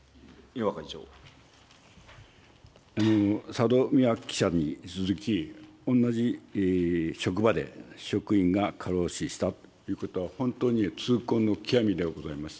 佐戸未和記者に続き、同じ職場で職員が過労死したということは、本当に痛恨の極みでございます。